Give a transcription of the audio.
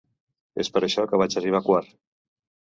És per això que vaig arribar quart.